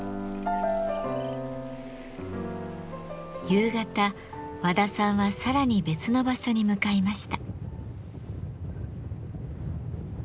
夕方和田さんはさらに別の場所に向かいました。